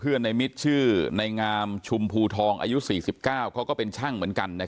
เพื่อนนายมิตรชื่อนายงามชุมภูทองอายุ๔๙เขาก็เป็นช่างเหมือนกันนะครับ